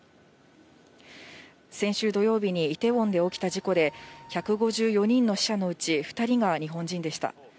先週土曜日にイテウォンで起きた事故で、１５４人の死者のうち２人が日本人でした。